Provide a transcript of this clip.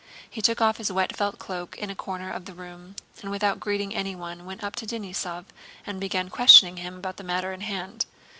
He took off his wet felt cloak in a corner of the room, and without greeting anyone went up to Denísov and began questioning him about the matter in hand.